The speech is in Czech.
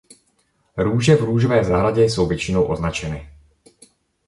Růže v růžové zahradě jsou většinou označeny.